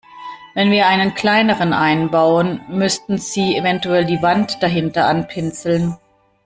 Wenn wir einen kleineren einbauen, müssten Sie eventuell die Wand dahinter anpinseln.